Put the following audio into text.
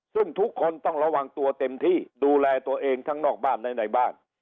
ซึ่งทุกคนต้องระวังตัวเต็มที่ดูแลตัวเองทั้งนอกบ้านและในบ้าน